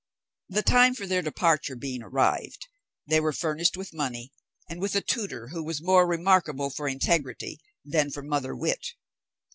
The time for their departure being arrived, they were furnished with money, and with a tutor who was more remarkable for integrity than for mother wit.